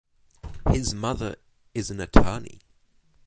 His mother is an Attorney.